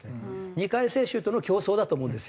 ２回接種との競争だと思うんですよ。